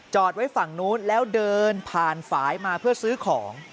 ไว้ฝั่งนู้นแล้วเดินผ่านฝ่ายมาเพื่อซื้อของ